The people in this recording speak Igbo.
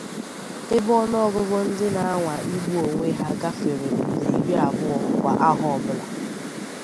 ebe ọnụọgụgụ ndị na-anwà igbu onwe ha gafere ndè iri abụọ kwà ahọ ọbụla.